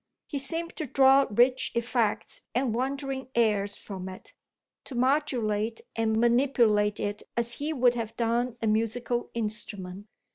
He seemed to draw rich effects and wandering airs from it to modulate and manipulate it as he would have done a musical instrument.